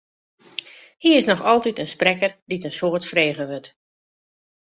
Hy is noch altyd in sprekker dy't in soad frege wurdt.